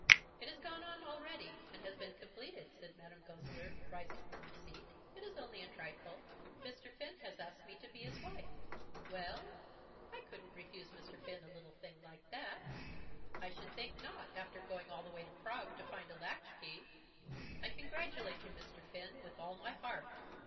"It has gone on already, and been completed," said Madame Goesler rising from her seat. "It is only a trifle. Mr. Finn has asked me to be his wife." "Well?" "I couldn't refuse Mr. Finn a little thing like that." "I should think not, after going all the way to Prague to find a latch key! I congratulate you, Mr. Finn, with all my heart."